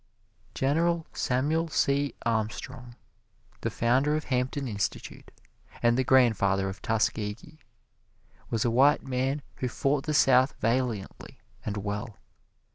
General Samuel C. Armstrong, the founder of Hampton Institute, and the grandfather of Tuskegee, was a white man who fought the South valiantly and well.